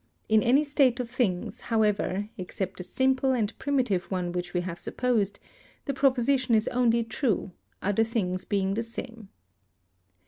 In any state of things, however, except the simple and primitive one which we have supposed, the proposition is only true, other things being the same.